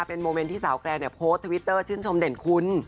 เป็นโมเมนต์ที่สาวแกรนเนี่ยโพสต์ทวิตเตอร์ชื่นชมเด่นคุณ